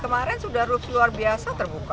kemarin sudah roof luar biasa terbuka